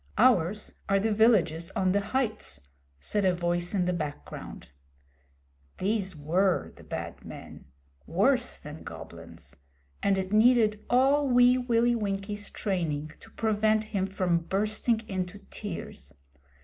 Ours are the villages on the heights,' said a voice in the background. These were the Bad Men worse than Goblins and it needed all Wee Willie Winkie's training to prevent him from bursting into tears.